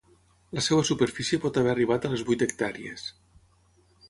La seva superfície pot haver arribat a les vuit hectàrees.